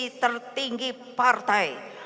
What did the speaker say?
di tertinggi partai